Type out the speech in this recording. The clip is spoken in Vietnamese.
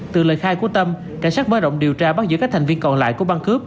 từ lời khai của tâm cảnh sát mở rộng điều tra bắt giữ các thành viên còn lại của băng cướp